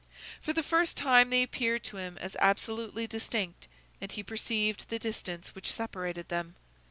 For the first time they appeared to him as absolutely distinct, and he perceived the distance which separated them.